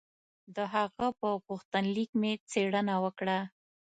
د هغه په غوښتنلیک مې څېړنه وکړه.